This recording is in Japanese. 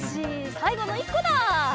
さいごの１こだ！